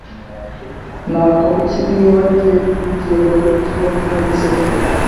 Nakora iki niba njye, bigenda bite iyo mvunitse